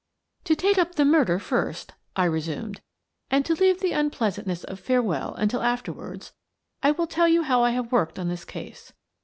" To take up the murder first," I resumed, " and to leave the unpleasantness of farewell until after wards, I will tell you how I have worked on this case.